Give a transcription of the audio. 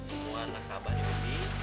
semua nasabah ini beli